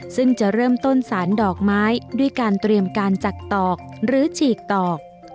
ซึ่งจะเริ่มต้นสารดอกไม้ด้วยการเตรียมการจักตอกหรือฉีกตอก